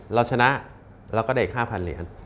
เราชนะเราก็ได้อีก๕๐๐เหรียญ